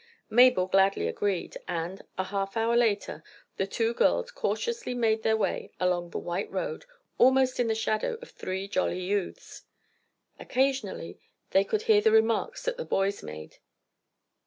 Mabel gladly agreed, and, a half hour later, the two girls cautiously made their way along the white road, almost in the shadow of three jolly youths. Occasionally they could hear the remarks that the boys made.